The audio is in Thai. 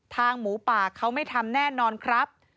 หมูป่าเขาไม่ทำแน่นอนครับ